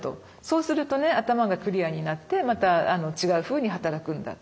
そうするとね頭がクリアになってまた違うふうに働くんだ。